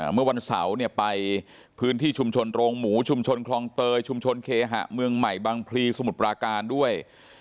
เมื่อวันเสาร์เนี่ยไปพื้นที่ชุมชนโรงหมูชุมชนคลองเตยชุมชนเคหะเมืองใหม่บางพลีสมุทรปราการด้วย